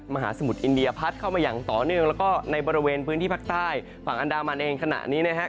มหาสมุทรอินเดียพัดเข้ามาอย่างต่อเนื่องแล้วก็ในบริเวณพื้นที่ภาคใต้ฝั่งอันดามันเองขณะนี้นะครับ